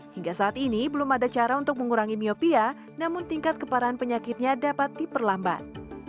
hingga saat ini belum ada cara untuk mengurangi miopia namun tingkat keparahan penyakitnya dapat diperlambat